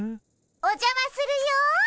おじゃまするよ。